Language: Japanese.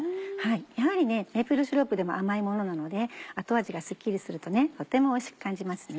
やはりメープルシロップも甘いものなので後味がスッキリするととってもおいしく感じますね。